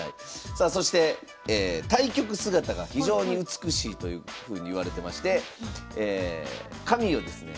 さあそして対局姿が非常に美しいというふうにいわれてまして髪をですね